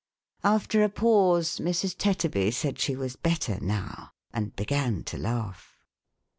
After a pause, Mi's. Tetterby said she was better now, and began to laugh.